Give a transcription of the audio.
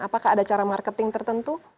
apakah ada cara marketing tertentu